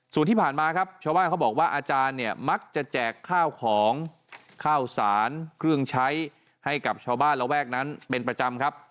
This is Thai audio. ส่วนที่ผ่านมาครับชาวบ้านเขาบอกว่าอาจารย์เนี่ยมักจะแจกข้าวของข้าวสารเครื่องใช้ให้กับชาวบ้านระแวกนั้นเป็นประจำครับ